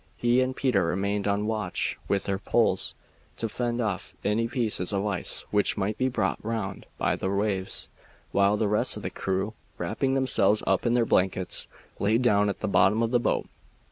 He and Peter remained on watch with their poles, to fend off any pieces of ice which might be brought round by the waves, while the rest of the crew, wrapping themselves up in their blankets, lay down at the bottom of the boat.